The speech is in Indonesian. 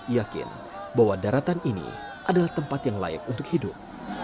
yakin bahwa daratan ini adalah tempat yang layak untuk hidup